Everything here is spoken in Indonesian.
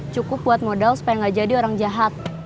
cukup buat modal supaya nggak jadi orang jahat